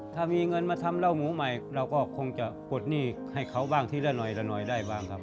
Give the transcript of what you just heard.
ถ้ามีเงินมาทำเหล้าหมูใหม่เราก็คงจะปลดหนี้ให้เขาบ้างทีละหน่อยละหน่อยได้บ้างครับ